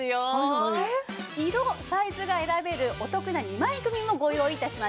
色サイズが選べるお得な２枚組もご用意致しました。